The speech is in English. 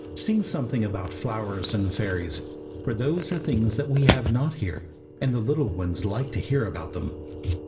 sing something about flowers and fairies, for those are things that we have not here, and the little ones like to hear about them."